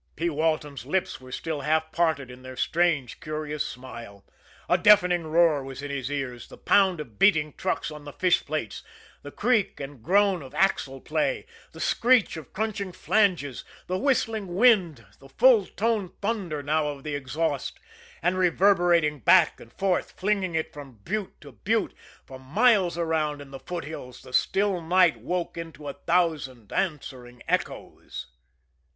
P. Walton's lips were still half parted in their strange, curious smile. A deafening roar was in his ears the pound of beating trucks on the fish plates; the creak and groan of axle play; the screech of crunching flanges; the whistling wind; the full toned thunder now of the exhaust and reverberating back and forth, flinging it from butte to butte, for miles around in the foothills the still night woke into a thousand answering echoes.